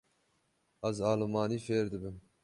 Ez almanî fêr dibim.